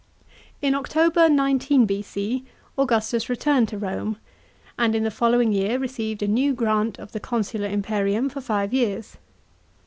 In October 19 B.C. Augustus returned to Rome, and in the following year received a new grant of the proconsular imperium for five years.